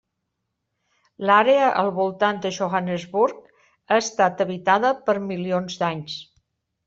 L'àrea al voltant de Johannesburg ha estat habitada per milions d'anys.